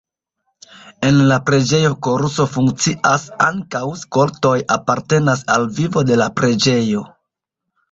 En la preĝejo koruso funkcias, ankaŭ skoltoj apartenas al vivo de la preĝejo.